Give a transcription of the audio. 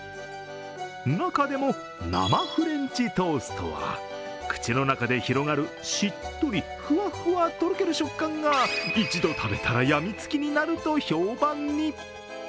中でも、生フレンチトーストは口の中で広がるしっとり、ふわふわとろける食感が一度食べたらやみつきになると評判に。